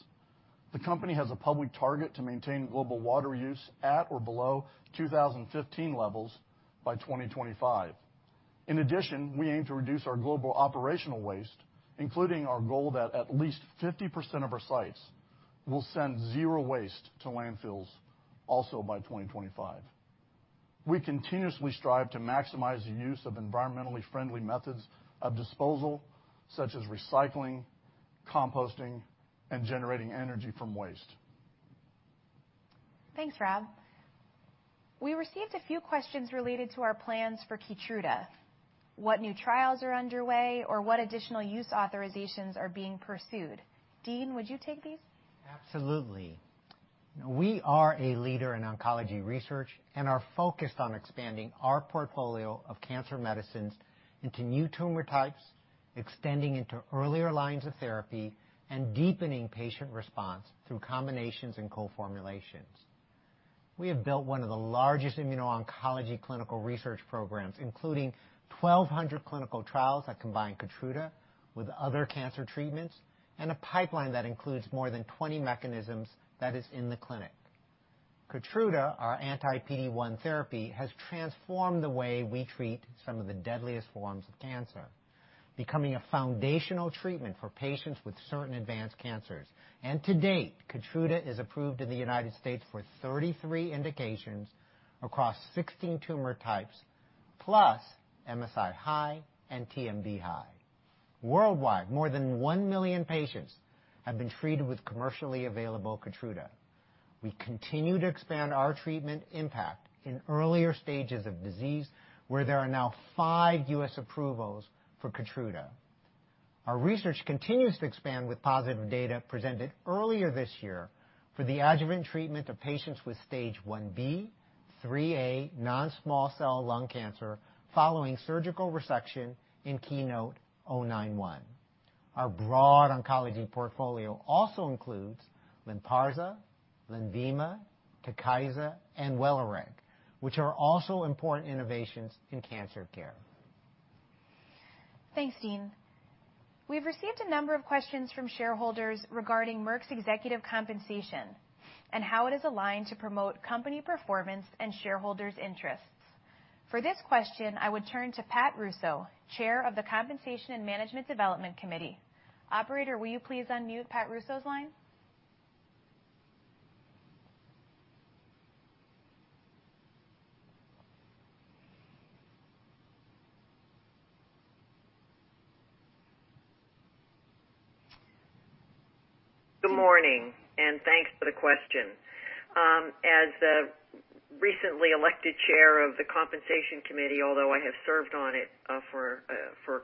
The company has a public target to maintain global water use at or below 2015 levels by 2025. In addition, we aim to reduce our global operational waste, including our goal that at least 50% of our sites will send zero waste to landfills also by 2025. We continuously strive to maximize the use of environmentally friendly methods of disposal, such as recycling, composting, and generating energy from waste. Thanks, Rob. We received a few questions related to our plans for KEYTRUDA, what new trials are underway, or what additional use authorizations are being pursued. Dean, would you take these? Absolutely. We are a leader in oncology research and are focused on expanding our portfolio of cancer medicines into new tumor types, extending into earlier lines of therapy and deepening patient response through combinations and co-formulations. We have built one of the largest immuno-oncology clinical research programs, including 1,200 clinical trials that combine Keytruda with other cancer treatments and a pipeline that includes more than 20 mechanisms that is in the clinic. Keytruda, our anti-PD-1 therapy, has transformed the way we treat some of the deadliest forms of cancer, becoming a foundational treatment for patients with certain advanced cancers. To date, Keytruda is approved in the United States for 33 indications across 16 tumor types, plus MSI-High and TMB-High. Worldwide, more than 1 million patients have been treated with commercially available Keytruda. We continue to expand our treatment impact in earlier stages of disease where there are now five U.S. approvals for Keytruda. Our research continues to expand with positive data presented earlier this year for the adjuvant treatment of patients with stage 1B, 3A non-small cell lung cancer following surgical resection in KEYNOTE-091. Our broad oncology portfolio also includes Lynparza, Lenvima, Tivdak, and Welireg, which are also important innovations in cancer care. Thanks, Dean. We've received a number of questions from shareholders regarding Merck's executive compensation and how it is aligned to promote company performance and shareholders' interests. For this question, I would turn to Pat Russo, Chair of the Compensation and Management Development Committee. Operator, will you please unmute Pat Russo's line? Good morning, and thanks for the question. As the recently elected chair of the Compensation Committee, although I have served on it for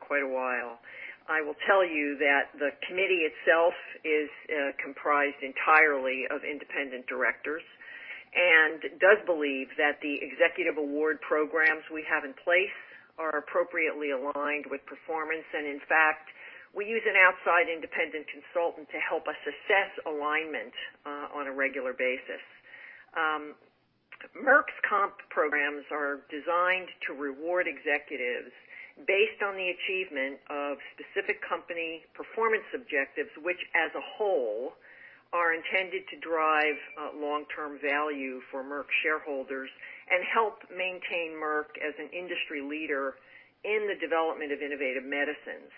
quite a while, I will tell you that the committee itself is comprised entirely of independent directors and does believe that the executive award programs we have in place are appropriately aligned with performance. In fact, we use an outside independent consultant to help us assess alignment on a regular basis. Merck's comp programs are designed to reward executives based on the achievement of specific company performance objectives, which as a whole, are intended to drive long-term value for Merck shareholders and help maintain Merck as an industry leader in the development of innovative medicines.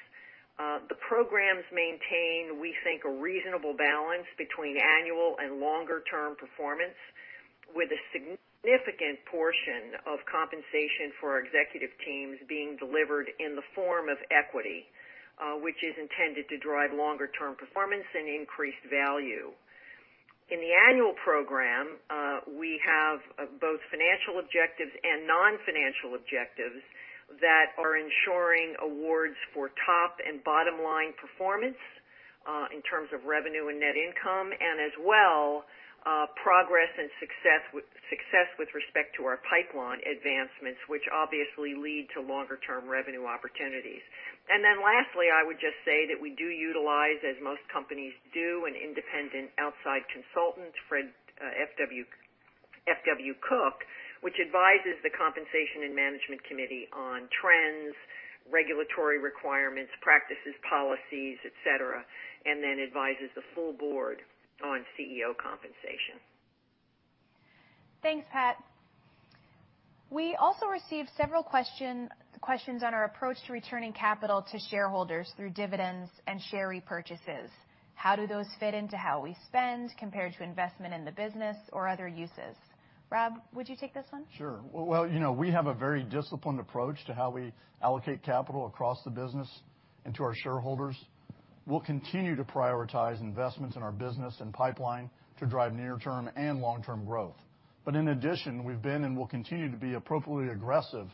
The programs maintain, we think, a reasonable balance between annual and longer term performance, with a significant portion of compensation for our executive teams being delivered in the form of equity, which is intended to drive longer term performance and increased value. In the annual program, we have both financial objectives and non-financial objectives that are ensuring awards for top and bottom line performance, in terms of revenue and net income, and as well, progress and success with respect to our pipeline advancements, which obviously lead to longer term revenue opportunities. Then lastly, I would just say that we do utilize, as most companies do, an independent outside consultant, FW Cook, which advises the Compensation and Management Committee on trends, regulatory requirements, practices, policies, et cetera, and then advises the full board on CEO compensation. Thanks, Pat. We also received several questions on our approach to returning capital to shareholders through dividends and share repurchases. How do those fit into how we spend compared to investment in the business or other uses? Rob, would you take this one? Sure. Well, you know, we have a very disciplined approach to how we allocate capital across the business and to our shareholders. We'll continue to prioritize investments in our business and pipeline to drive near term and long-term growth. In addition, we've been and will continue to be appropriately aggressive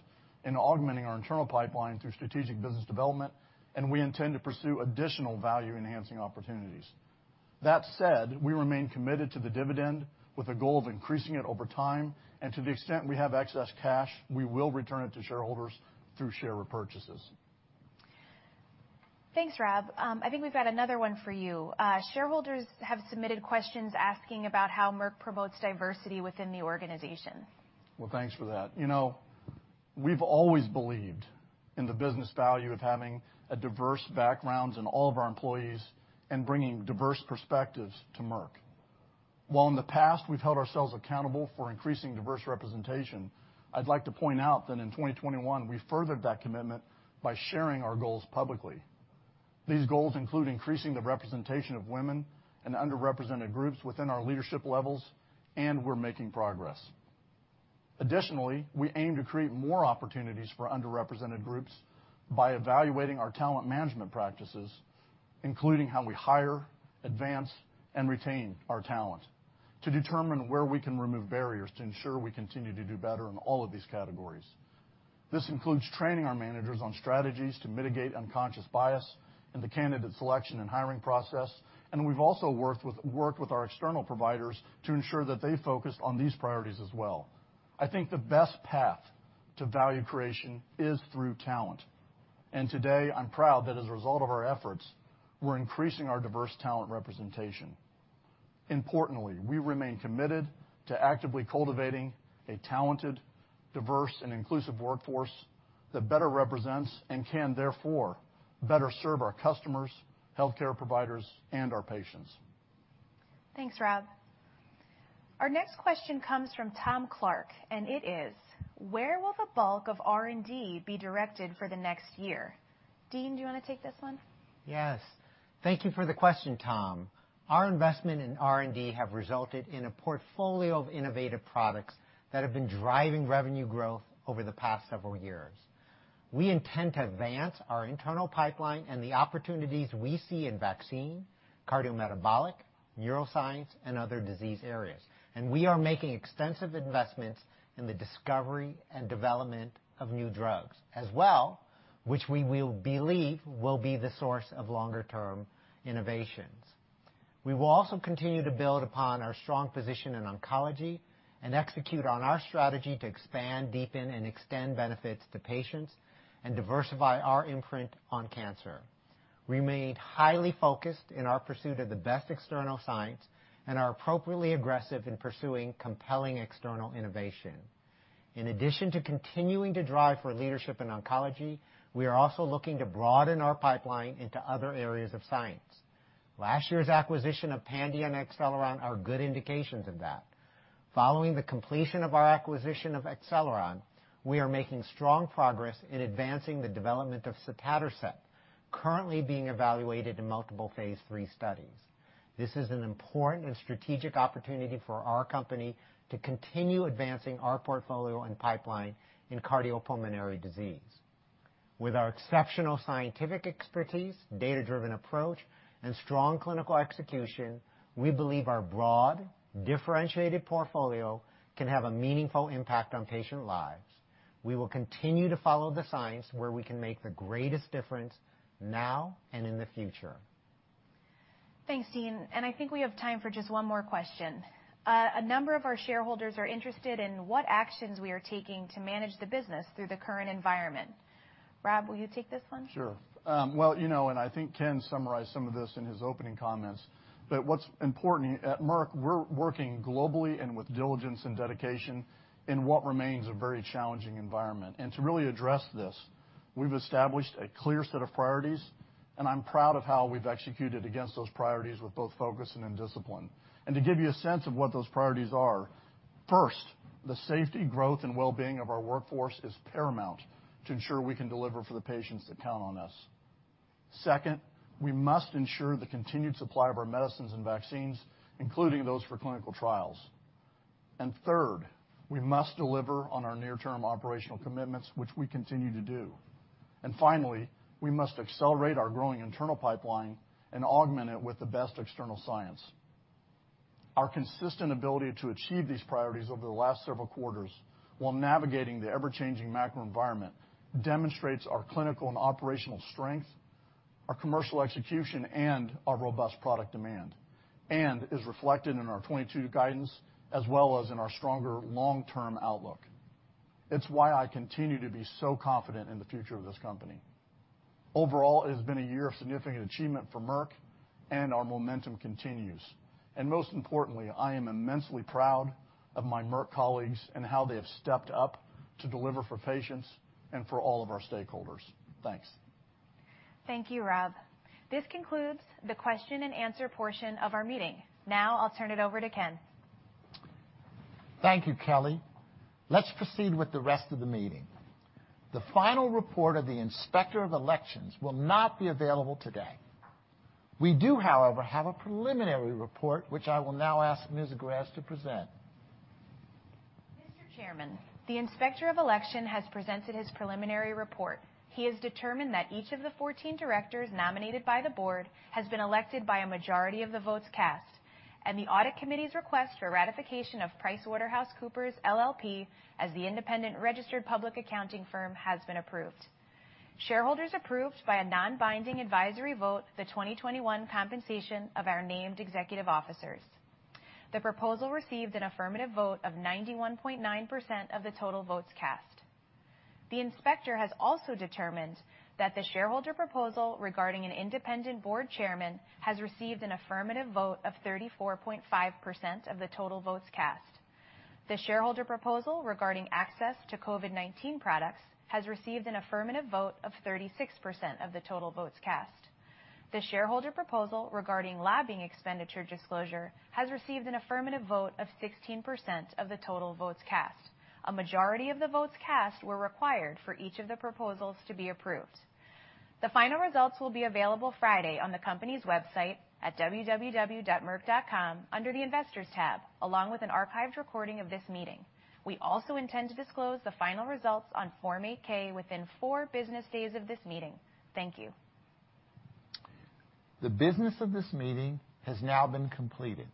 in augmenting our internal pipeline through strategic business development, and we intend to pursue additional value-enhancing opportunities. That said, we remain committed to the dividend with a goal of increasing it over time, and to the extent we have excess cash, we will return it to shareholders through share repurchases. Thanks, Rob. I think we've got another one for you. Shareholders have submitted questions asking about how Merck promotes diversity within the organization. Well, thanks for that. You know, we've always believed in the business value of having a diverse backgrounds in all of our employees and bringing diverse perspectives to Merck. While in the past, we've held ourselves accountable for increasing diverse representation, I'd like to point out that in 2021, we furthered that commitment by sharing our goals publicly. These goals include increasing the representation of women and underrepresented groups within our leadership levels, and we're making progress. Additionally, we aim to create more opportunities for underrepresented groups by evaluating our talent management practices, including how we hire, advance, and retain our talent to determine where we can remove barriers to ensure we continue to do better in all of these categories. This includes training our managers on strategies to mitigate unconscious bias in the candidate selection and hiring process. We've also worked with our external providers to ensure that they focus on these priorities as well. I think the best path to value creation is through talent. Today, I'm proud that as a result of our efforts, we're increasing our diverse talent representation. Importantly, we remain committed to actively cultivating a talented, diverse, and inclusive workforce that better represents and can therefore better serve our customers, healthcare providers, and our patients. Thanks, Rob. Our next question comes from Tom Clark, and it is, where will the bulk of R&D be directed for the next year? Dean, do you wanna take this one? Yes. Thank you for the question, Tom. Our investment in R&D have resulted in a portfolio of innovative products that have been driving revenue growth over the past several years. We intend to advance our internal pipeline and the opportunities we see in vaccine, cardiometabolic, neuroscience, and other disease areas. We are making extensive investments in the discovery and development of new drugs as well, which we will believe will be the source of longer term innovations. We will also continue to build upon our strong position in oncology and execute on our strategy to expand, deepen, and extend benefits to patients and diversify our imprint on cancer. We made highly focused in our pursuit of the best external science and are appropriately aggressive in pursuing compelling external innovation. In addition to continuing to drive for leadership in oncology, we are also looking to broaden our pipeline into other areas of science. Last year's acquisition of Pandion and Acceleron are good indications of that. Following the completion of our acquisition of Acceleron, we are making strong progress in advancing the development of sotatercept, currently being evaluated in multiple phase III studies. This is an important and strategic opportunity for our company to continue advancing our portfolio and pipeline in cardiopulmonary disease. With our exceptional scientific expertise, data-driven approach, and strong clinical execution, we believe our broad, differentiated portfolio can have a meaningful impact on patient lives. We will continue to follow the science where we can make the greatest difference now and in the future. Thanks, Dean. I think we have time for just one more question. A number of our shareholders are interested in what actions we are taking to manage the business through the current environment. Rob, will you take this one? Sure. Well, you know, I think Ken summarized some of this in his opening comments, but what's important, at Merck, we're working globally and with diligence and dedication in what remains a very challenging environment. To really address this, we've established a clear set of priorities, and I'm proud of how we've executed against those priorities with both focus and discipline. To give you a sense of what those priorities are, first, the safety, growth, and wellbeing of our workforce is paramount to ensure we can deliver for the patients that count on us. Second, we must ensure the continued supply of our medicines and vaccines, including those for clinical trials. Third, we must deliver on our near-term operational commitments, which we continue to do. Finally, we must accelerate our growing internal pipeline and augment it with the best external science. Our consistent ability to achieve these priorities over the last several quarters while navigating the ever-changing macro environment demonstrates our clinical and operational strength, our commercial execution, and our robust product demand. Is reflected in our 22 guidance as well as in our stronger long-term outlook. It's why I continue to be so confident in the future of this company. Overall, it has been a year of significant achievement for Merck, and our momentum continues. Most importantly, I am immensely proud of my Merck colleagues and how they have stepped up to deliver for patients and for all of our stakeholders. Thanks. Thank you, Rob. This concludes the question and answer portion of our meeting. Now, I'll turn it over to Ken. Thank you, Kelly. Let's proceed with the rest of the meeting. The final report of the inspector of elections will not be available today. We do, however, have a preliminary report which I will now ask Ms. Grez to present. Mr. Chairman, the inspector of election has presented his preliminary report. He has determined that each of the 14 directors nominated by the board has been elected by a majority of the votes cast, and the audit committee's request for ratification of PricewaterhouseCoopers LLP as the independent registered public accounting firm has been approved. Shareholders approved by a non-binding advisory vote the 2021 compensation of our named executive officers. The proposal received an affirmative vote of 91.9% of the total votes cast. The inspector has also determined that the shareholder proposal regarding an independent board chairman has received an affirmative vote of 34.5% of the total votes cast. The shareholder proposal regarding access to COVID-19 products has received an affirmative vote of 36% of the total votes cast. The shareholder proposal regarding lobbying expenditure disclosure has received an affirmative vote of 16% of the total votes cast. A majority of the votes cast were required for each of the proposals to be approved. The final results will be available Friday on the company's website at www.merck.com under the Investors tab, along with an archived recording of this meeting. We also intend to disclose the final results on Form 8-K within four business days of this meeting. Thank you. The business of this meeting has now been completed.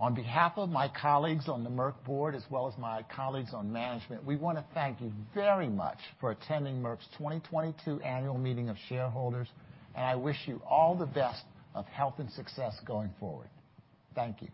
On behalf of my colleagues on the Merck board as well as my colleagues on management, we wanna thank you very much for attending Merck's 2022 Annual Meeting of Shareholders, and I wish you all the best of health and success going forward. Thank you.